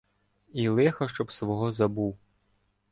І лиха щоб свого забув: